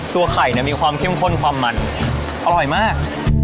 ตัวไข่เนี่ยมีความเข้มข้นความมันอร่อยมาก